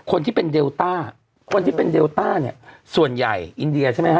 คนที่เป็นเดลต้าคนที่เป็นเดลต้าเนี่ยส่วนใหญ่อินเดียใช่ไหมฮ